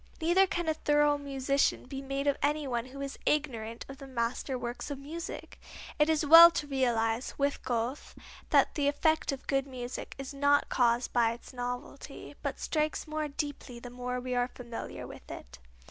Neither can a thorough musician be made of any one who is ignorant of the master works of music. It is well to realize, with Goethe, that the effect of good music is not caused by its novelty, but strikes more deeply the more we are familiar with it.